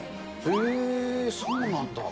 へー、そうなんだ。